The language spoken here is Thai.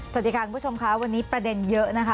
สวัสดีค่ะคุณผู้ชมค่ะวันนี้ประเด็นเยอะนะคะ